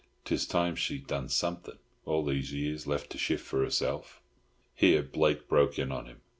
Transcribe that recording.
'Tis time she done somethin'. All these years left to shift for herself—" Here Blake broke in on him.